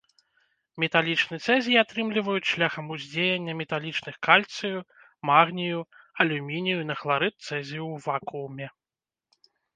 Металічны цэзій атрымліваюць шляхам уздзеяння металічных кальцыю, магнію, алюмінію на хларыд цэзію ў вакууме.